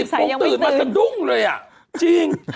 ฉันตื่นสิบโมงตื่นมาสักดุ้งเลยอะจริง